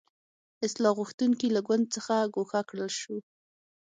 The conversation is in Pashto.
اصلاح غوښتونکي له ګوند څخه ګوښه کړل شو.